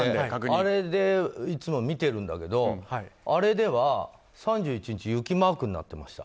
あれで、いつも見てるんだけどあれでは３１日、雪マークになってました。